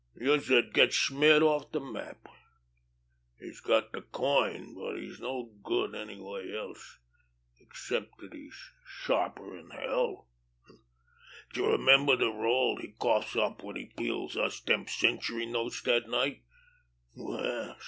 Youse'd get smeared off de map. He's got de coin, but he's no good anyway else, except dat he's sharper'n hell. D'ye remember de roll he coughs up when he peels us dem century notes dat night?